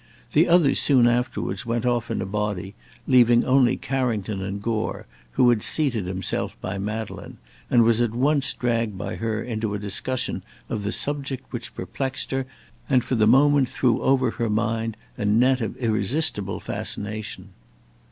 The others soon afterwards went off in a body, leaving only Carrington and Gore, who had seated himself by Madeleine, and was at once dragged by her into a discussion of the subject which perplexed her, and for the moment threw over her mind a net of irresistible fascination.